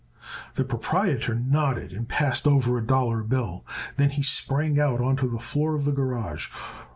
The proprietor nodded and passed over a dollar bill. Then he sprang out onto the floor of the garage.